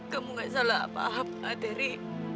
kamu gak salah apa apa terry